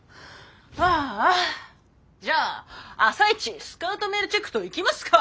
ああじゃあ朝一スカウトメールチェックといきますか！